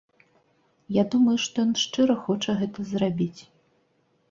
Я думаю, што ён шчыра хоча гэта зрабіць.